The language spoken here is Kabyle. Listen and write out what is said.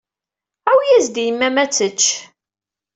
Awi-yas-d i yemma-m ad tečč.